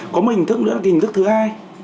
có một hình thức nữa hình thức thứ hai